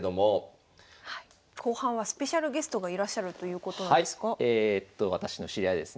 後半はスペシャルゲストがいらっしゃるということなんですが。